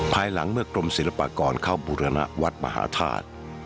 ภายหลังเมื่อกรมศิลปากรเข้าบุรณวัดมหาธาตุ